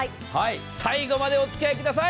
最後までおつきあいください。